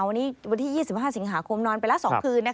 วันนี้วันที่๒๕สิงหาคมนอนไปแล้ว๒คืน